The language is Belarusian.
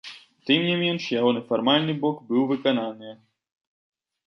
Тым не менш, ягоны фармальны бок быў выкананыя.